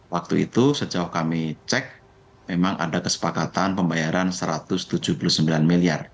waktu itu sejauh kami cek memang ada kesepakatan pembayaran rp satu ratus tujuh puluh sembilan miliar